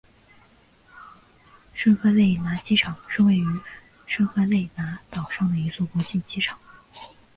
圣赫勒拿机场是位于圣赫勒拿岛上的一座国际机场。